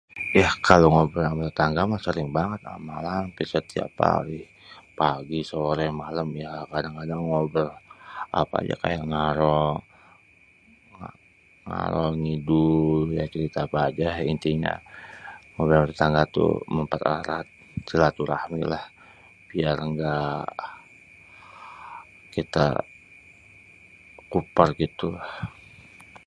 Yah, kalo ngobrol ama tetangga mah sering banget, malah ampir setiap hari. Pagi, sore, malem, ya kadang-kadang ngobrol apa aja kadang ngalor-ngidul. Ya, cerita apa aja intinya ngobrol ama tetangga tuh mempererat silaturahmi lah. Biar nggak kita kuper gitu, lah.